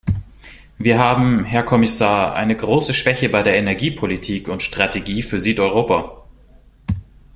Wir haben, Herr Kommissar, eine große Schwäche bei der Energiepolitik und -strategie für Südeuropa.